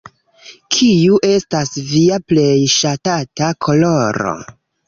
Kiu estas via plej ŝatata koloro?